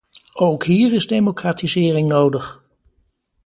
Ook hier is democratisering nodig!